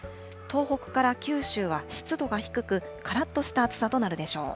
東北から九州は湿度が低く、からっとした暑さとなるでしょう。